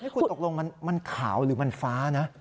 คุณตกลงมันขาวหรือมันฟ้านะ